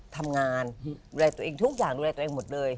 ทำงานดูแลตัวเองทุกอย่างดูแลตัวเองหมดเลย